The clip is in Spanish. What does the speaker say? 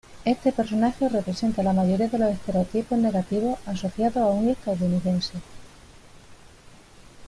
Este personaje representa la mayoría de los estereotipos negativos asociados a un estadounidense.